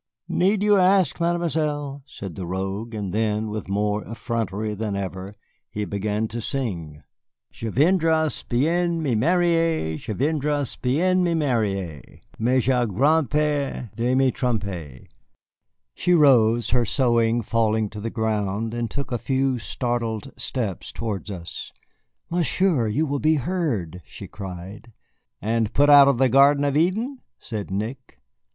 "Need you ask, Mademoiselle?" said the rogue, and then, with more effrontery than ever, he began to sing: "'Je voudrais bien me marier, Je voudrais bien me marier, Mais j'ai grand' peur de me tromper.'" She rose, her sewing falling to the ground, and took a few startled steps towards us. "Monsieur! you will be heard," she cried. "And put out of the Garden of Eden," said Nick.